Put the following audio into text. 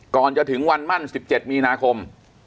ก่อนจะถึงวันมั่น๑๗มีนาคม